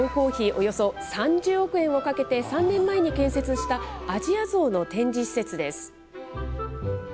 およそ３０億円をかけて３年前に建設したアジアゾウの展示施設です。